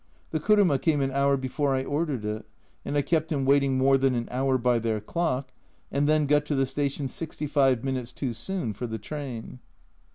The kuruma came an hour before I ordered it and I kept him waiting more than an hour by their clock, and then got to the station sixty five minutes too soon for the train